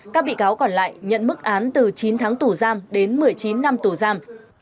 các bị cáo còn lại nhận mức án từ chín tháng tù giam đến một mươi chín năm tù giam